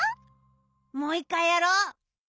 もう１かいやろう！